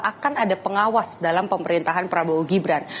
akan ada pengawas dalam pemerintahan prabowo gibran